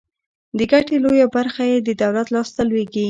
د ګټې لویه برخه یې د دولت لاس ته لویږي.